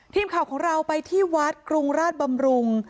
ทีมข่าวของเราไปที่วัดกรุงราชบำรุง